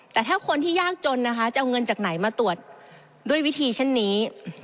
แต่ถ้าคนที่ยากจนนะคะจะเอาเงินจากไหนมาตรวจด้วยวิธีเช่นนี้